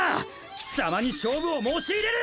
貴様に勝負を申し入れる！